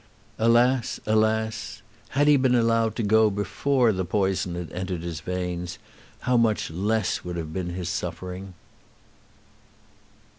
Alas, alas; had he been allowed to go before the poison had entered his veins, how much less would have been his suffering!